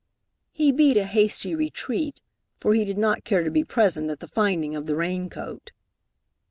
He beat a hasty retreat, for he did not care to be present at the finding of the rain coat.